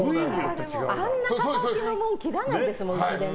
あんな形のもの切らないですものうちでね。